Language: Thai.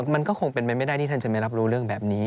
มันก็คงเป็นไปไม่ได้ที่ท่านจะไม่รับรู้เรื่องแบบนี้